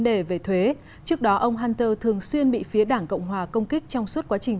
đề về thuế trước đó ông hunter thường xuyên bị phía đảng cộng hòa công kích trong suốt quá trình